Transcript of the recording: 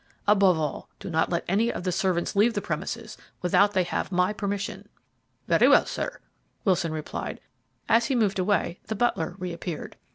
Above all, do not let any of the servants leave the premises without they have my permission." "Very well, sir," Wilson replied; as he moved away the butler reappeared.